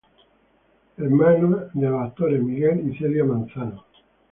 Hermana de los actores Miguel y Celia Manzano.